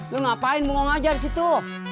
lu ngapain mau ngajar situ